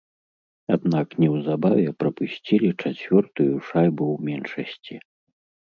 Аднак неўзабаве прапусцілі чацвёртую шайбу ў меншасці.